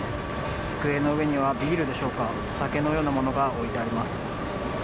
机の上にはビールでしょうか、お酒のようなものが置いてあります。